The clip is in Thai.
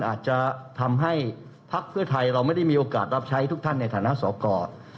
อาจจะทำให้พักเพื่อไทยเราไม่ได้มีโอกาสรับใช้ทุกท่านในฐานะสอกร